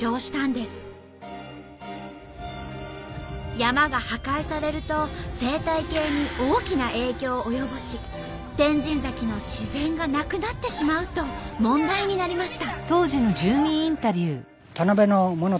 山が破壊されると生態系に大きな影響を及ぼし天神崎の自然がなくなってしまうと問題になりました。